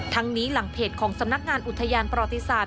นี้หลังเพจของสำนักงานอุทยานประวัติศาสต